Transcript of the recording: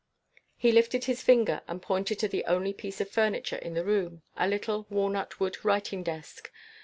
He lifted his finger and pointed to the only piece of furniture in the room, a little walnut wood writing desk.